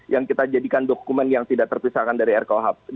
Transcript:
yang kita jadikan dokumen yang tidak terpisahkan dari rkuhp